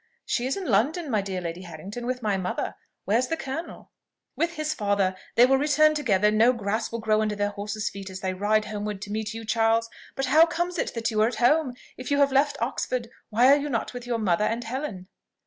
"She is in London, my dear Lady Harrington, with my mother. Where is the colonel?" "With his father; they will return together; no grass will grow under their horses' feet as they ride homeward to meet you, Charles! But how comes it that you are at home? If you have left Oxford, why are you not with your mother and Helen?"